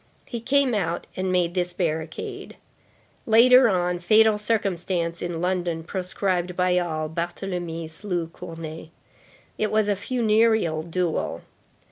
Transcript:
He came out and made this barricade. Later on, fatal circumstance, in London, proscribed by all, Barthélemy slew Cournet. It was a funereal duel.